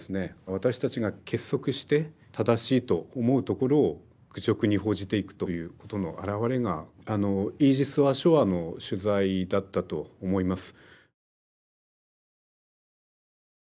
私たちが結束して正しいと思うところを愚直に報じていくということのあらわれがイージス・アショアの取材だったと思います。